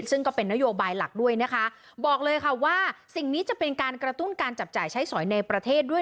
ซึ่งก็เป็นนโยบายหลักด้วยนะคะบอกเลยค่ะว่าสิ่งนี้จะเป็นการกระตุ้นการจับจ่ายใช้สอยในประเทศด้วย